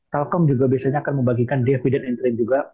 telkom juga biasanya akan membagikan dividen interim juga